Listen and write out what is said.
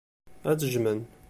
Ad t-jjmen.